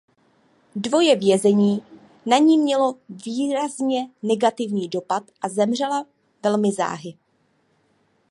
Dvoje vězení na ní mělo výrazně negativní dopad a zemřela velmi záhy.